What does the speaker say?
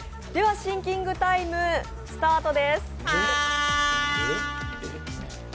シンキングタイムスタートです。